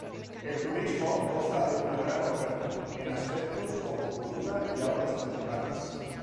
El turismo goza de una gran oferta en aspectos como cultura y aguas termales.